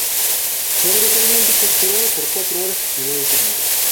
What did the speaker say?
Fue brutalmente torturado por cuatro horas y quedó detenido.